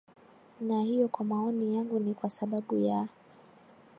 na hiyo kwa maoni yangu ni kwa sababu ya